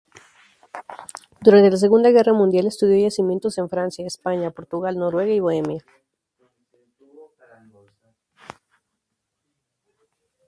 Durante la Segunda Guerra Mundial estudió yacimientos en Francia, España, Portugal, Noruega y Bohemia.